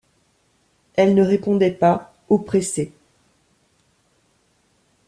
Elle ne répondait pas, oppressée.